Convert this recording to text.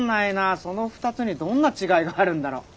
その２つにどんな違いがあるんだろう。